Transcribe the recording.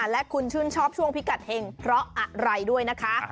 และคุณชื่นชอบช่วงพิกัดเห็งเพราะอะไรด้วยนะคะ